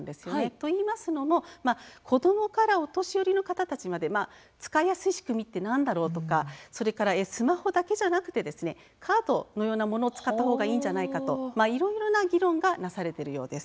といいますのも子どもからお年寄りの方たちまで使いやすい仕組みって何だろうとかそれから、スマホだけではなくてカードのようなものを使ったほうがいいんじゃないかといろいろな議論がなされているようです。